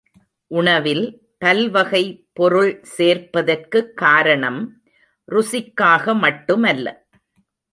உணவில் பல்வகை பொருள் சேர்ப்பதற்குக் காரணம் ருசிக்காக மட்டுமல்ல.